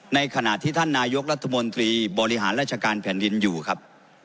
ในขณะที่ท่านนายกรัฐมนตรีบริหารราชการแผ่นดินอยู่ครับ